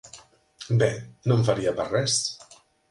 Bé, no em faria pas res!